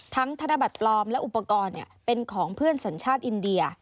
ธนบัตรปลอมและอุปกรณ์เป็นของเพื่อนสัญชาติอินเดีย